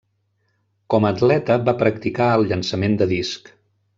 Com a atleta va practicar el llançament de disc.